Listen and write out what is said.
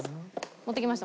持ってきました